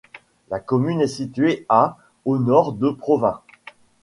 La commune est située à au nord de Provins.